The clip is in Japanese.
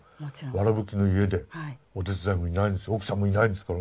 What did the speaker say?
わらぶきの家でお手伝いもいないんです奥さんもいないんですからね。